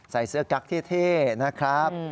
ใส่เสื้อกั๊กเท่นะครับ